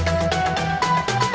tunggu kang hei